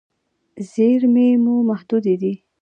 زیرمې مو محدودې دي.